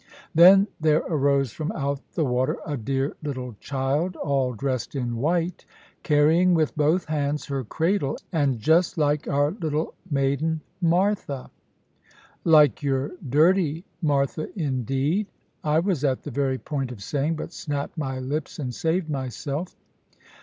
Then there arose from out the water a dear little child all dressed in white, carrying with both hands her cradle, and just like our little maiden, Martha " "Like your dirty Martha indeed!" I was at the very point of saying, but snapped my lips, and saved myself.